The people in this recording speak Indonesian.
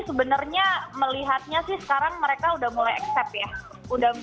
sebenarnya melihatnya sih sekarang mereka udah mulai accept ya